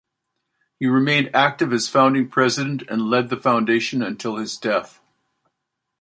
He remained active as founding president and led the foundation until his death.